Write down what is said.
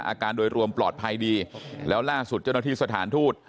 อาการโดยรวมปลอดภัยดีแล้วล่าสุดเจ้าหน้าที่สถานทูต